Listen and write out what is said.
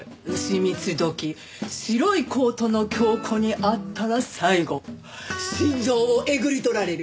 丑三つ時白いコートのキョウコに会ったら最後心臓をえぐり取られる！